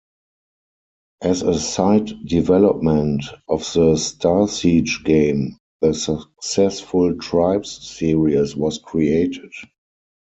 As a side development of the "Starsiege" game, the successful "Tribes" series was created.